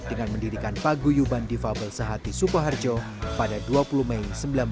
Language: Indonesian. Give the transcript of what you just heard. dengan mendirikan paguyuban difabel sehati sukoharjo pada dua puluh mei seribu sembilan ratus enam puluh